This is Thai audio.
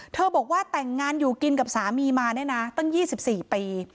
บอกว่าแต่งงานอยู่กินกับสามีมาเนี่ยนะตั้ง๒๔ปี